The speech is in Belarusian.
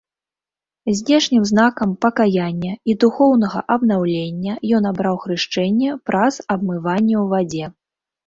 Знешнім знакам пакаяння і духоўнага абнаўлення ён абраў хрышчэнне праз абмыванне ў вадзе.